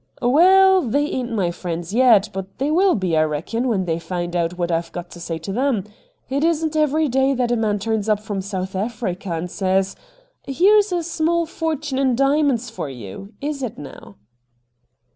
' Waal, they ain't my friends yet, but they will be, I reckon, when they find out what I've got to say to them. It isn't every day that a man turns up from South Africa and says, " Here's a small fortune in diamonds for you." Is it now